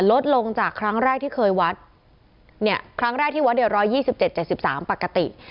ลดลงจากครั้งแรกที่เคยวัดเนี่ยครั้งแรกที่วัดเนี่ยร้อยยี่สิบเจ็ดเจ็ดสิบสามปกติ